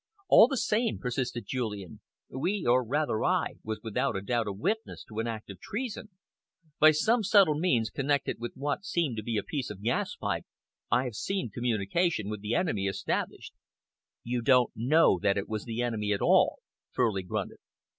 "All the same," persisted Julian, "we or rather I was without a doubt a witness to an act of treason. By some subtle means connected with what seemed to be a piece of gas pipe, I have seen communication with the enemy established." "You don't know that it was the enemy at all," Furley grunted.